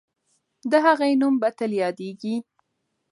د هغې نوم به تل یادېږي.